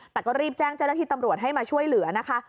แต่ก็รีบแจ้งเจ้าหน้าที่ตำรวจให้มาช่วยเหลือนะคะ